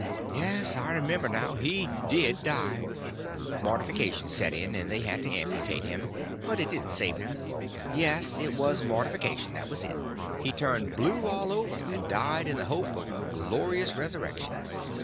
Yes, I remember now, he did die. Mortification set in, and they had to amputate him. But it didn't save him. Yes, it was mortification—that was it. He turned blue all over, and died in the hope of a glorious resurrection.